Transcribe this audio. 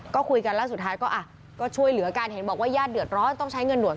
ก็คุยกันแล้วสุดท้ายก็ช่วยเหลือกันเห็นบอกว่าญาติเดือดร้อนต้องใช้เงินด่วน